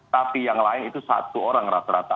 tapi yang lain itu satu orang rata rata